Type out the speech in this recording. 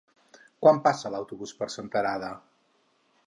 Quan passa l'autobús per Senterada?